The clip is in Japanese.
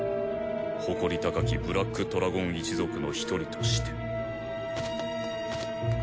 誇り高きブラックトラゴン一族の一人として。